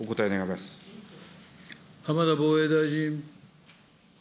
浜田防衛大臣。